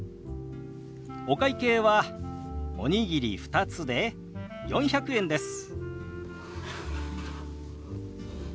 お会計はおにぎり２つで４００円です。